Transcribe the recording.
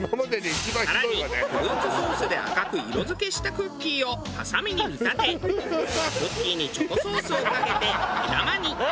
更にフルーツソースで赤く色付けしたクッキーをハサミに見立てクッキーにチョコソースをかけて目玉に。